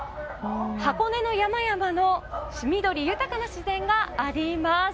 箱根の山々の緑豊かな自然があります。